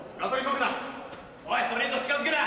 おいそれ以上近づくな。